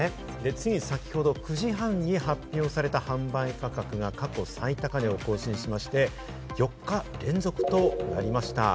つい先程、９時半に発表された販売価格が、過去最高値を更新しまして、４日連続となりました。